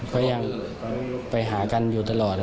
ก็ยังไปหากันอยู่ตลอด